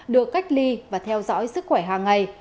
được cách ly và theo dõi sức khỏe hàng ngày